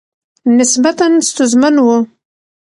نسبتاً ستونزمن ؤ